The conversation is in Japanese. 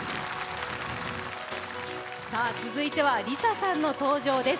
さあ続いてはＬｉＳＡさんの登場です。